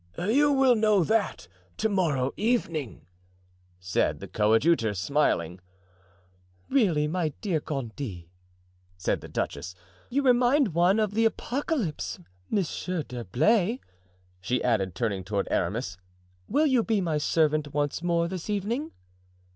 "You will know that to morrow evening," said the coadjutor, smiling. "Really, my dear Gondy," said the duchess, "you remind one of the Apocalypse. Monsieur d'Herblay," she added, turning toward Aramis, "will you be my servant once more this evening?"